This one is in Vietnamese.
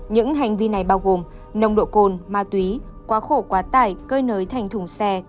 những hành vi này bao gồm nồng độ cồn ma túy quá khổ quá tải cơi nới thành thùng xe